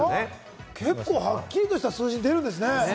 結構、はっきりとした数字が出るんですね。